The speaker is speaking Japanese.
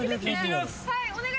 はい。